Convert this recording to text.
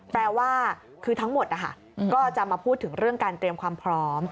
แปลว่าคือทั้งหมดนะคะก็จะมาพูดถึงเรื่องการเตรียมความพร้อม